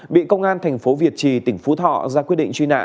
bị công an thành phố việt trì tỉnh phú thọ ra quyết định truy nã